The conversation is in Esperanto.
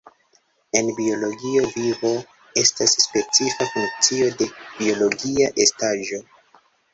En biologio vivo estas specifa funkcio de biologia estaĵo.